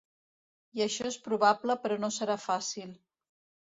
I això és probable però no serà fàcil.